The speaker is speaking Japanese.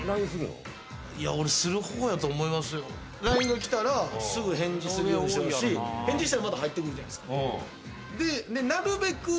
ＬＩＮＥが来たらすぐ返事するようにしてますし返事したらまた入ってくるじゃないですか。